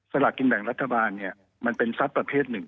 สลากกินแบ่งรัฐบาลเนี่ยมันเป็นทรัพย์ประเภทหนึ่ง